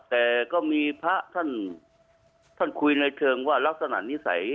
แต่ก็มีพระท่านคุยในเชิงว่ารักษณะนิสัย